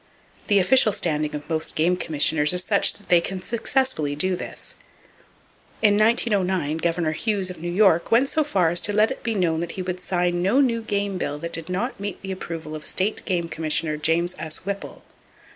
The official standing of most game commissioners is such that they can successfully do this. In 1909 Governor Hughes of New York went so far as to let it be known that he would sign no new game bill that did not meet the approval of State Game Commissioner James S. Whipple.